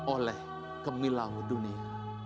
oleh kemilau dunia